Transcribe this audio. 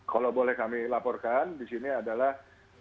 kalau boleh kami laporkan disini adalah